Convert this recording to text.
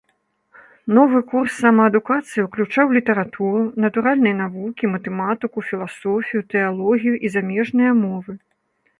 Новы курс самаадукацыі уключаў літаратуру, натуральныя навукі, матэматыку, філасофію, тэалогію і замежныя мовы.